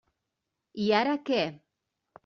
I ara què?